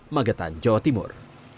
magetan jawa timur